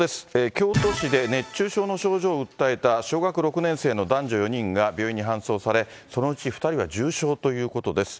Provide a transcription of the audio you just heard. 京都市で、熱中症の症状を訴えた小学６年生の男女４人が病院に搬送され、そのうち２人は重症ということです。